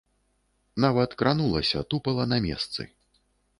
Нават кранулася, тупала на месцы.